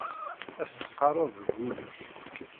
Ad s-teqqareḍ deg ul-ik.